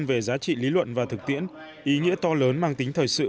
về giá trị lý luận và thực tiễn ý nghĩa to lớn mang tính thời sự